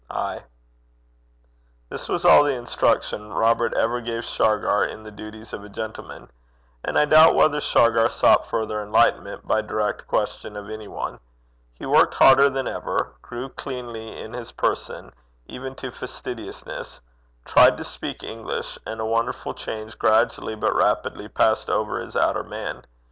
'Ay.' This was all the instruction Robert ever gave Shargar in the duties of a gentleman. And I doubt whether Shargar sought further enlightenment by direct question of any one. He worked harder than ever; grew cleanly in his person, even to fastidiousness; tried to speak English; and a wonderful change gradually, but rapidly, passed over his outer man.